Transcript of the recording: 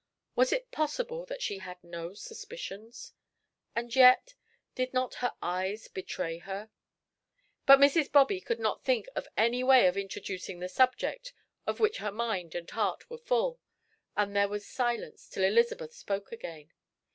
Was it possible that she had no suspicions? And yet did not her eyes betray her? But Mrs. Bobby could not think of any way of introducing the subject of which her mind and heart were full, and there was silence till Elizabeth spoke again.